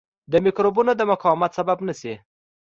د مکروبونو د مقاومت سبب نه شي.